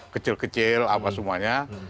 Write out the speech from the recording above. kecil kecil apa semuanya